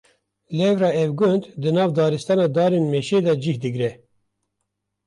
Lewra ev gund di nav daristana darên mêşe de cih digire.